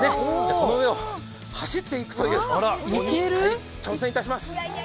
この上を走っていくという、挑戦いたします。